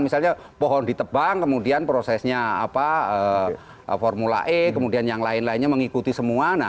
misalnya pohon ditebang kemudian prosesnya formula e kemudian yang lain lainnya mengikuti semua